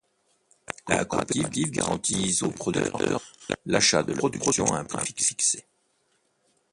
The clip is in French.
La coopérative garantit aux producteurs l'achat de leur production à un prix fixé.